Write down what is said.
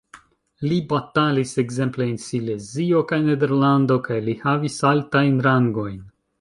Li batalis ekzemple en Silezio kaj Nederlando, kaj li havis altajn rangojn.